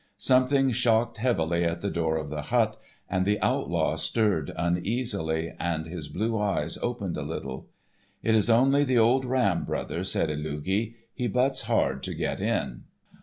Something shocked heavily at the door of the hut, and the Outlaw stirred uneasily, and his blue eyes opened a little. "It is only the old ram, brother," said Illugi. "He butts hard to get in."